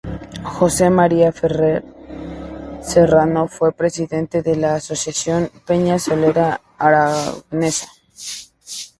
Jose María Ferrer Serrano fue presidente de la Asociación "Peña Solera Aragonesa".